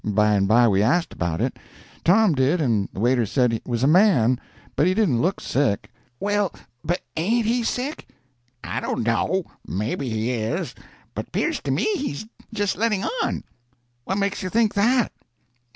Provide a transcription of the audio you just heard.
By and by we asked about it—Tom did and the waiter said it was a man, but he didn't look sick. "Well, but ain't he sick?" "I don't know; maybe he is, but 'pears to me he's just letting on." "What makes you think that?"